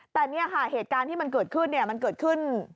แต่เนี่ยค่ะเหตุการณ์ที่มันเกิดขึ้นเนี่ยมันเกิดขึ้น